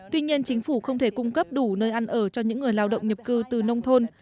tuy nhiên chính phủ không thể cung cấp đủ nơi ăn ở cho những người lao động nhập cư từ nông thôn